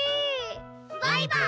バイバーイ！